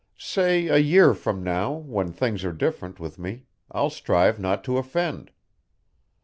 Say a year from now, when things are different with me, I'll strive not to offend."